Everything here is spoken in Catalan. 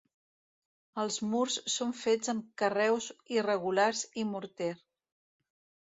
Els murs són fets amb carreus irregulars i morter.